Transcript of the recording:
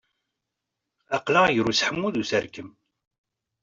Aql-aɣ gar useḥmu d userkem.